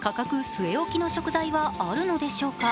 据え置きの食材はあるのでしょうか。